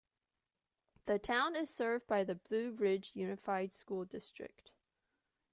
The town is served by the Blue Ridge Unified School District.